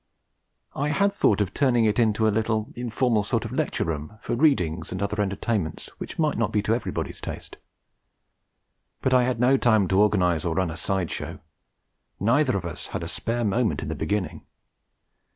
I had thought of turning it into a little informal sort of lecture room, for readings and other entertainments which might not be to everybody's taste. But I had no time to organise or run a side show; neither of us had a spare moment in the beginning.